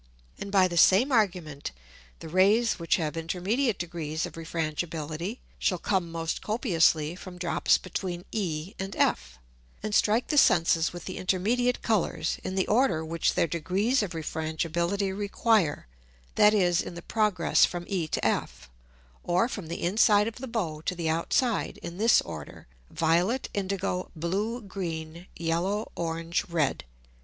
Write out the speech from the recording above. And by the same Argument, the Rays which have intermediate Degrees of Refrangibility shall come most copiously from Drops between E and F, and strike the Senses with the intermediate Colours, in the Order which their Degrees of Refrangibility require, that is in the Progress from E to F, or from the inside of the Bow to the outside in this order, violet, indigo, blue, green, yellow, orange, red.